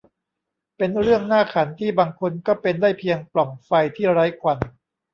เป็นเรื่องน่าขันที่บางคนก็เป็นได้เพียงปล่องไฟที่ไร้ควัน